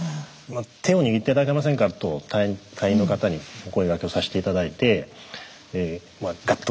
手を握って頂けませんかと隊員の方にお声がけをさせて頂いてガッと